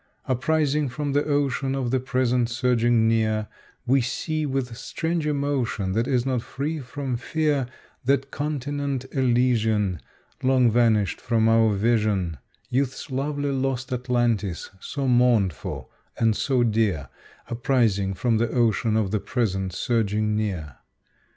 Uprising from the ocean of the present surging near, We see, with strange emotion, that is not free from fear, That continent Elysian Long vanished from our vision, Youth's lovely lost Atlantis, so mourned for and so dear, Uprising from the ocean of the present surging near.